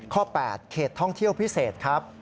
๘เขตท่องเที่ยวพิเศษครับ